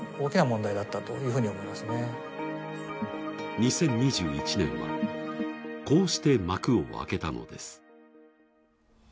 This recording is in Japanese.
２０２１年はこうして幕を開けたのです。